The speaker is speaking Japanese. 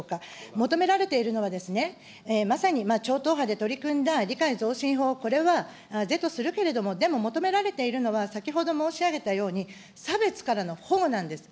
求められているのは、まさに超党派で取り組んだ理解増進法、これは是とするけれども、でも求められているのは、先ほど申し上げたように、差別からの保護なんです。